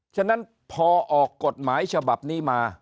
ฉะนั้นพอออกกฎหมายฉบับนี้มา